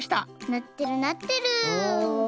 なってるなってる。